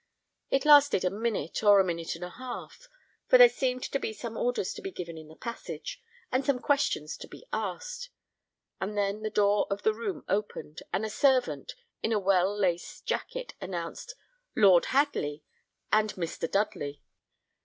It lasted a minute, or a minute and a half, for there seemed to be some orders to be given in the passage, and some questions to be asked; and then the door of the room opened, and a servant, in a well laced jacket, announced "Lord Hadley," and "Mr. Dudley."